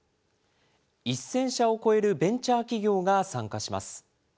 １０００社を超えるベンチャー企業が参加します。